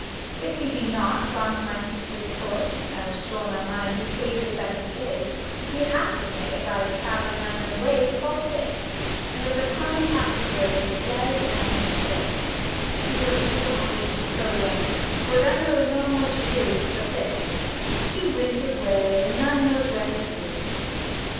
If he be not gone to my sister's court, _As sure my mind presageth that he is, He haply may, by travelling unknown ways, 30 Fall sick, and as a common passenger, _Be dead and buried : would God it were so well ; For then there were no more to do, but this, He went away, and none knows where he is.